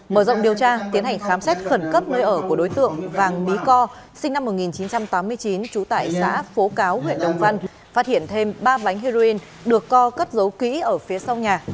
mở rộng điều tra tiến hành khám xét khẩn cấp nơi ở của đối tượng vàng mỹ co sinh năm một nghìn chín trăm tám mươi chín trú tại xã phố cáo huyện đồng văn phát hiện thêm ba bánh heroin được co cất giấu kỹ ở phía sau nhà